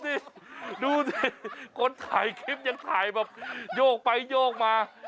ตกใจนะสิดูสิคนถ่ายคลิปอย่างถ่ายแบบโยกไปโยกมา